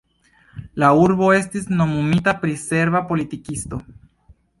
La urbo estis nomumita pri serba politikisto.